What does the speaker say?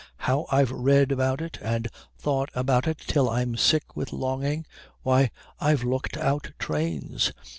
"How I've read about it and thought about it till I'm sick with longing? Why, I've looked out trains.